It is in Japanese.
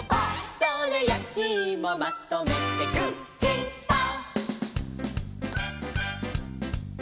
「それやきいもまとめてグーチーパー」